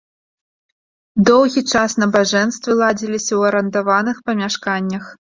Доўгі час набажэнствы ладзіліся ў арандаваных памяшканнях.